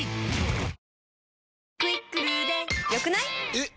えっ！